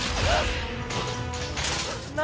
何？